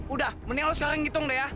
udah mending lo sekarang ngitung deh ya